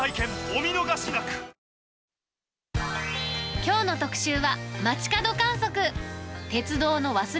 きょうの特集は、街角観測。